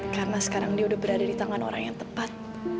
karena sekarang dia udah berada di tangan orang yang tepat